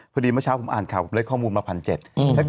พอดีเมื่อเช้าเรียนข่าวของความรักไมถึง๑๕๐๐